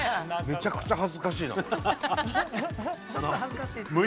めちゃくちゃ恥ずかしいなこれ。